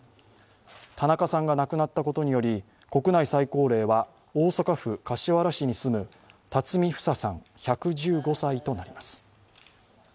田中さんが亡くなったことにより、国内最高齢は大阪府柏原市に住む巽フサさん１１５歳となります。